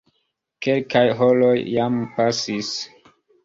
Kelkaj horoj jam pasis.